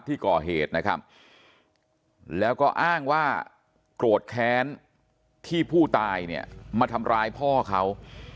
ที่ก่อเหตุนะครับแล้วก็อ้างว่าโกรธแค้นที่ผู้ตายเนี่ยมาทำร้ายพ่อเขา